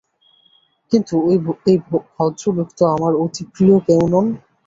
কিন্তু এই ভদ্রলোক তো আমার অতিপ্রিয় কেউ নন।